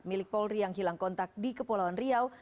milik polri yang hilang kontak di kepulauan riau